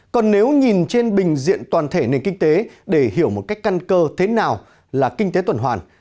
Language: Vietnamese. còn nếu nhìn trên bình diện toàn thể nền kinh tế để hiểu một cách căn cơ thế nào là kinh tế tuần hoàn